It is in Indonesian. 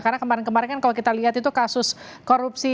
karena kemarin kemarin kalau kita lihat itu kasus korupsi